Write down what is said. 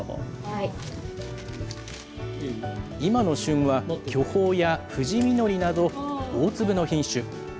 今の旬は、巨峰や藤稔など大粒の品種。